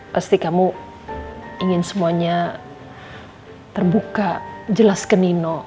pasti kamu ingin semuanya terbuka jelas ke nino